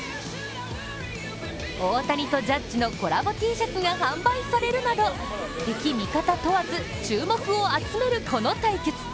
大谷とジャッジのコラボＴシャツが販売されるなど、敵味方問わず注目を集めるこの対決。